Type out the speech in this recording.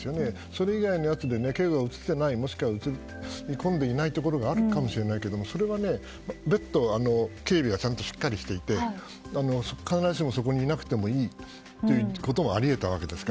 それ以外のやつで警護が映っていないもしくは映り込んでいないところがあるかもしれないけどそれは別途警備はちゃんとしっかりしていて必ずしもそこにいなくてもいいということはあり得たわけです。